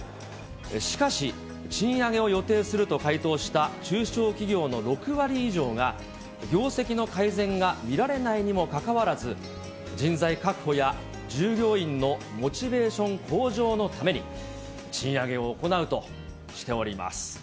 しかし、賃上げを予定すると回答した中小企業の６割以上が、業績の改善が見られないにもかかわらず、人材確保や従業員のモチベーション向上のために、賃上げを行うとしております。